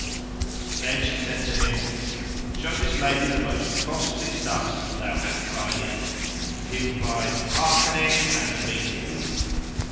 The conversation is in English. Then she said to him, "Show this lady the most costly stuffs thou hast by thee;" and he replied, "Hearkening and obedience!"